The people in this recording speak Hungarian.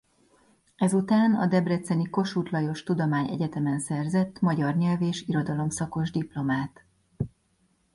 Ezután a debreceni Kossuth Lajos Tudományegyetemen szerzett magyar nyelv és irodalom szakos diplomát.